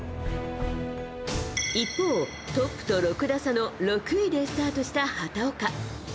一方、トップと６打差の６位でスタートした畑岡。